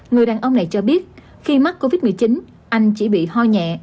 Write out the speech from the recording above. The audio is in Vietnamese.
người đàn ông này cho biết khi mắc covid một mươi chín anh chỉ bị ho nhẹ